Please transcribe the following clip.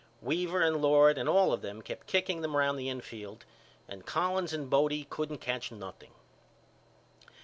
Weaver and Lord and all of them kept kicking them round the infield and Collins and Bodie couldn't catch nothing.